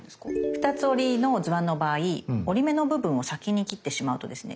２つ折りの図案の場合折り目の部分を先に切ってしまうとですね